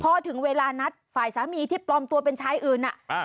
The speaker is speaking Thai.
พอถึงเวลานัดฝ่ายสามีที่ปลอมตัวเป็นชายอื่น